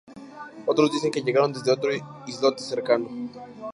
Otros dicen que llegaron desde otro islote cercano.